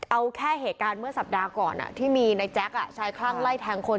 เอาแค่เหตุการณ์เมื่อสัปดาห์ก่อนที่มีในแจ๊คชายคลั่งไล่แทงคน